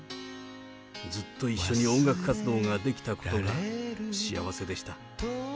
ずっと一緒に音楽活動ができたことが幸せでした。